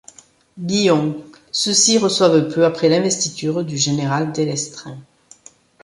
Billon, ceux-ci reçoivent peu après l'investiture du général Delestraint.